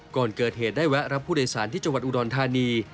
ก่อนเกิดเหตุได้แวะรับผู้โดยสารที่จังหวัดอุดรธานี